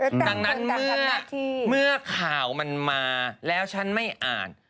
ดังนั้นเมื่อข่าวมันมาแล้วฉันไม่อ่าน